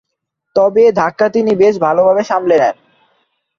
তবে, এ ধাক্কা তিনি বেশ ভালোভাবে সামলে নেন।